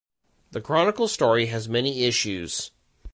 The chronicle story has many issues.